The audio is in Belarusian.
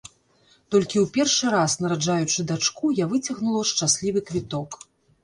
Толькі ў першы раз, нараджаючы дачку, я выцягнула шчаслівы квіток.